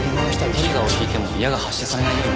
トリガーを引いても矢が発射されないように。